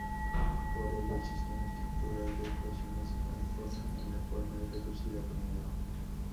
Para ello, el sistema estructural de ecuaciones se transforma en la forma reducida primero.